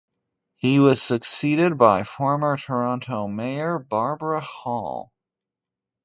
He was succeeded by former Toronto Mayor Barbara Hall.